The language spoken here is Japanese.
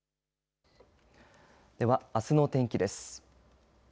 では、あすの天気です。